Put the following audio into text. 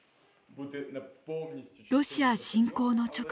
ロシア侵攻の直後